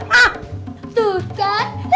hah tuh kan